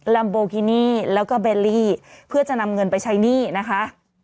ลัมโบกินี่แล้วก็เบลลี่เพื่อจะนำเงินไปใช้หนี้นะคะ